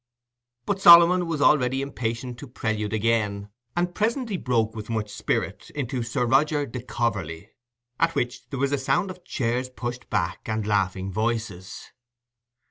But Solomon was already impatient to prelude again, and presently broke with much spirit into "Sir Roger de Coverley", at which there was a sound of chairs pushed back, and laughing voices.